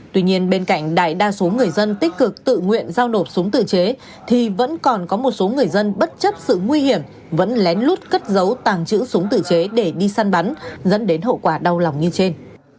tuy nhiên bên cạnh đại đa số người dân tích cực tự nguyện giao nộp súng tự chế thì vẫn còn có một số người dân bất chấp sự nguy hiểm vẫn lén lút cất giấu tàng trữ súng tự chế để đi săn bắn dẫn đến hậu quả đau lòng như trên